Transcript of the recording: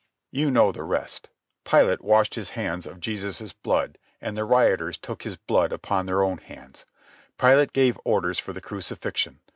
You know the rest. Pilate washed his hands of Jesus' blood, and the rioters took his blood upon their own heads. Pilate gave orders for the crucifixion.